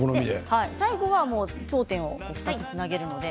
最後は頂点を２つつなげるので。